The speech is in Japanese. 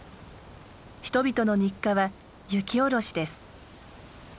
人々の日課は雪下ろしです。